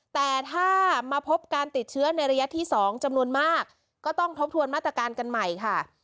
แต่ถ้ามาพบการติดเชื้อในระยะที่๒จำนวนมากก็ต้องทบทวนมาตรการกันใหม่ค่ะ